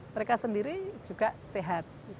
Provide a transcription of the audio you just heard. mereka sendiri juga sehat